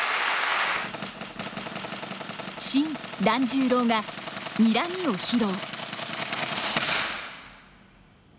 新團十郎が「にらみ」を披露。